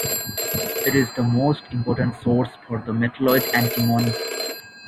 It is the most important source for the metalloid antimony.